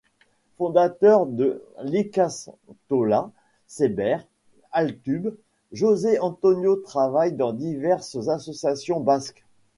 Fondateur de l'ikastola Seber Altube, José Antonio travaille dans diverses associations basques.